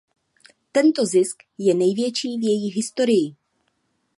Tento zisk je největší v její historii.